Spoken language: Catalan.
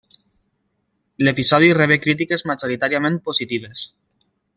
L'episodi rebé crítiques majoritàriament positives.